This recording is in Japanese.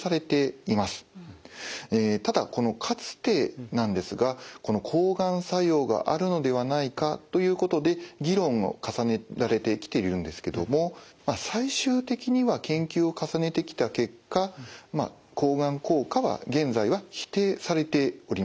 ただこの「かつて」なんですが抗がん作用があるのではないかということで議論を重ねられてきてるんですけども最終的には研究を重ねてきた結果抗がん効果は現在は否定されております。